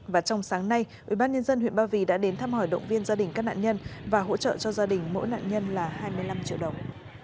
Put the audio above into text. và trong sáng nay ubnd huyện ba vì đã đến thăm hỏi động viên gia đình các nạn nhân và hỗ trợ cho gia đình mỗi nạn nhân là hai mươi năm triệu đồng